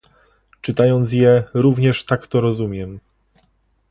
Czytając je, również tak to rozumiem